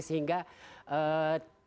sehingga tidak menggoda